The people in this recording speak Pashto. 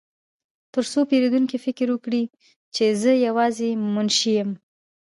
ترڅو پیرودونکي فکر وکړي چې زه یوازې یو منشي یم